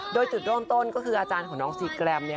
โดยจุดเริ่มต้นก็คืออาจารย์ของน้องซีแกรม